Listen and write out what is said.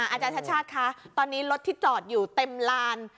อาจารย์ชาติชาติคะตอนนี้รถที่จอดอยู่เต็มลาน